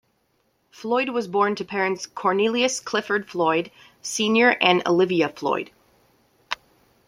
Floyd was born to parents Cornelius Clifford Floyd, Senior and Olivia Floyd.